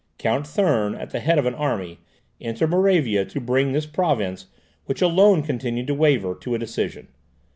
Count Thurn, at the head of an army, entered Moravia to bring this province, which alone continued to waver, to a decision.